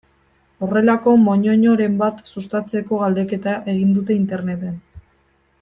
Horrelako moñoñoren bat sustatzeko galdeketa egin dute Interneten.